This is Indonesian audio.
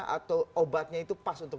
atau obatnya itu pas untuk